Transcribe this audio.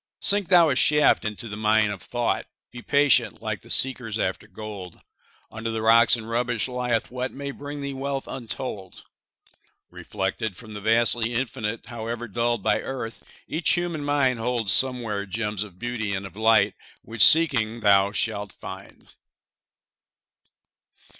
Sink thou a shaft into the mine of thought; Be patient, like the seekers after gold; Under the rocks and rubbish lieth what May bring thee wealth untold. Reflected from the vastly Infinite, However dulled by earth, each human mind Holds somewhere gems of beauty and of light Which, seeking, thou shalt find.